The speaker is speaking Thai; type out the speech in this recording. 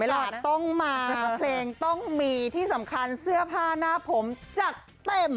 หลานต้องมาเพลงต้องมีที่สำคัญเสื้อผ้าหน้าผมจัดเต็ม